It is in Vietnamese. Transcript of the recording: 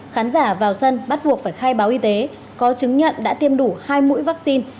khán giả vào sân bắt buộc phải khai báo y tế có chứng nhận đã tiêm đủ hai mũi vaccine